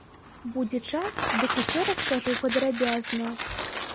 Будзе час, дык усё раскажу падрабязна.